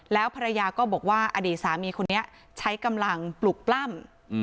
แล้วภรรยาก็บอกว่าอดีตสามีคนนี้ใช้กำลังปลุกปล้ำ